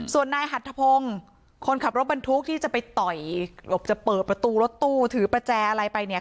ส่วนนายหัทธพงศ์คนขับรถบรรทุกที่จะไปต่อยกจะเปิดประตูรถตู้ถือประแจอะไรไปเนี่ย